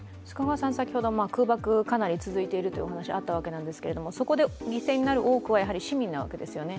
先ほど空爆、かなり続いてるというお話があったんですが、そこで犠牲になる多くはやはり市民なわけですよね。